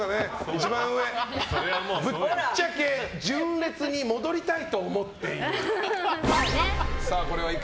一番上、ぶっちゃけ純烈に戻りたいと思ってるっぽい。